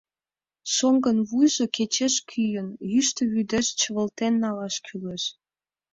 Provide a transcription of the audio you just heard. — Шоҥгын вуйжо кечеш кӱын, йӱштӧ вӱдеш чывылтен налаш кӱлеш.